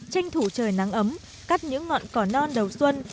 tranh thủ trời nắng ấm cắt những ngọn cỏ non đầu xuân